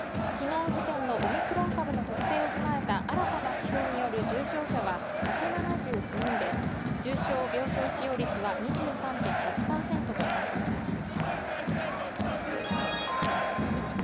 昨日時点のオミクロン株の特性を踏まえた新たな指標による重症者は１７９人で重症病床使用率は２３．８％となっています。